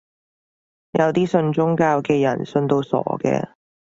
有啲信宗教嘅人信到傻嘅